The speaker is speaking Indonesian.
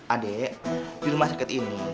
adik di rumah sakit ini